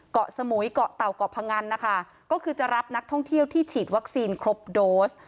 เกาะสมุยเกาะเต่าเกาะพงันนะคะก็คือจะรับนักท่องเที่ยวที่ฉีดวัคซีนครบโดส